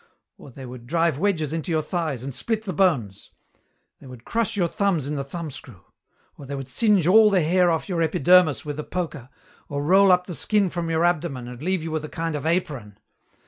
Or they would drive wedges into your thighs and split the bones. They would crush your thumbs in the thumbscrew. Or they would singe all the hair off your epidermis with a poker, or roll up the skin from your abdomen and leave you with a kind of apron.